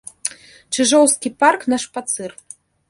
Чыжоўскі парк на шпацыр.